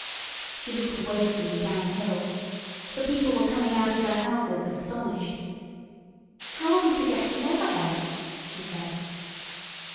She looked away from me downhill. The people were coming out of their houses, astonished. "How are we to get to Leatherhead?" she said.